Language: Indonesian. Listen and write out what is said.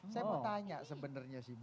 saya mau tanya sebenarnya sih bu